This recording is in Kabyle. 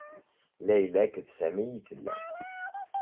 Layla akked Sami ay tella?